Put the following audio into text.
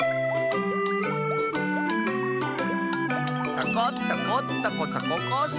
「タコタコタコタココッシー」